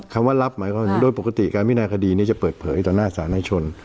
คำว่ารับหมายความโดยปกติการพินาคดีนี้จะเปิดเผยต่อหน้าสารให้ชน